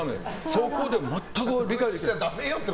そこで全く理解できないって。